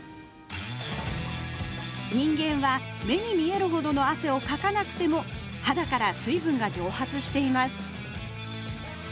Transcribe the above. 人間は目に見えるほどの汗をかかなくても肌から水分が蒸発しています